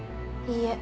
いいえ。